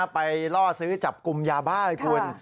ล่อซื้อจับกลุ่มยาบ้าให้คุณ